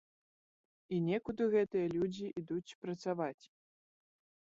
І некуды гэтыя людзі ідуць працаваць.